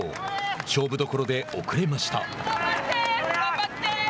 勝負どころで遅れました。